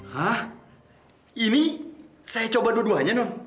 hah ini saya coba dua duanya non